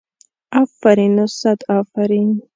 افرین و صد افرین.